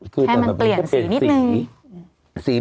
แค่ตื่นสีนิดนึง